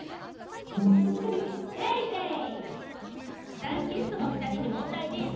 さあ、ゲストの２人に問題でぃす！